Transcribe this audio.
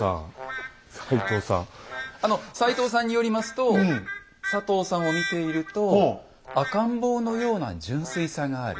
あの斎藤さんによりますと佐藤さんを見ていると赤ん坊のような純粋さがある。